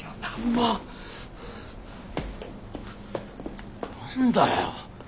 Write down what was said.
何だよ？